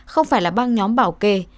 không phải là băng nhóm bảo kê